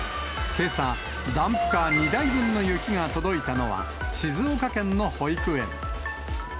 けさ、ダンプカー２台分の雪が届いたのは、静岡県の保育園。